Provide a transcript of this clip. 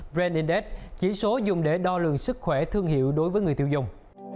bran index chỉ số dùng để đo lường sức khỏe thương hiệu đối với người tiêu dùng